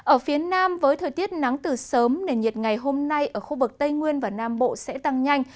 ở phía nam với thời tiết nắng từ sớm nền nhiệt ngày hôm nay ở khu vực tây nguyên và nam bộ sẽ tăng nhanh